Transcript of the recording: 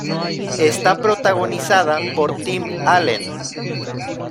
Está protagonizada por Tim Allen.